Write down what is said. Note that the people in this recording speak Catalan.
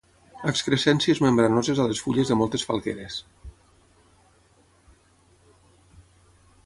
Excrescències membranoses a les fulles de moltes falgueres.